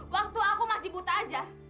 waktu aku masih buta aja